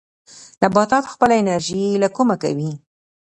نباتات خپله انرژي له کومه کوي؟